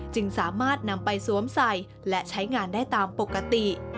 จึงสามารถนำไปสวมใส่และใช้งานได้ตามปกติ